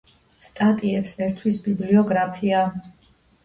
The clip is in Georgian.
სტატიებს ერთვის ბიბლიოგრაფია.